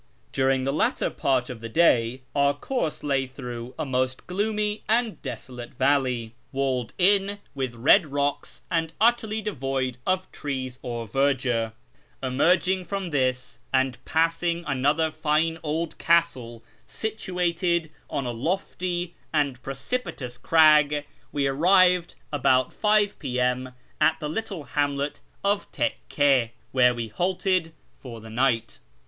During the latter part of the day our course lay through a most gloomy and desolate valley, walled in with red rocks 28 A VKAR AMONGST THE PERSIANS and utterly devoiil of trees or verdure. Emerging from this, and passing another line old castle situated on a lofty and precipitous crag, we arrived about 5 I'.M. at the little hamlet of Tekkc, where we halted for the night.